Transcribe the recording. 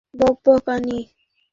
অবশেষে তুমি সঠিক সিদ্ধান্ত নিলে।